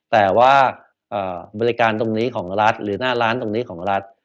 แต่ว่าบริการตรงนี้ของรัฐหรือหน้าร้านตรงนี้ของรัฐ